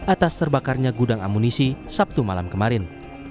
atas terbakarnya gudang amunisi sabtu malam kemarin